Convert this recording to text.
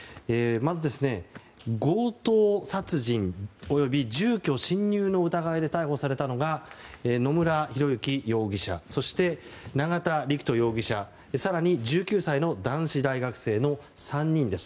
まず、強盗殺人および住居侵入の疑いで逮捕されたのが野村広之容疑者そして、永田陸人容疑者更に、１９歳の男子大学生の３人です。